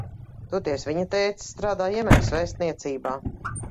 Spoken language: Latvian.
Toties viņa tētis strādā Jemenas vēstniecībā.